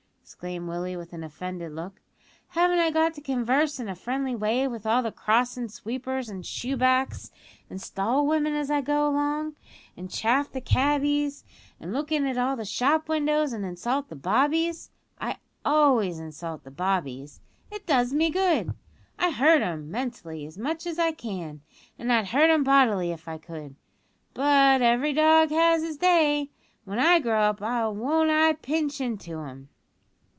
exclaimed Willie; with an offended look. "Haven't I got to converse in a friendly way with all the crossin' sweepers an' shoeblacks an' stall women as I go along, an' chaff the cabbies, an' look in at all the shop windows, and insult the bobbies? I always insult the bobbies. It does me good. I hurt 'em, mentally, as much as I can, an' I'd hurt 'em bodily if I could. But every dog has his day. When I grow up won't I pitch into 'em!"